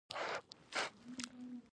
ناول لوستونکی هڅوي چې ودریږي.